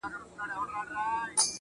• ستا په يادونو كي راتېره كړله.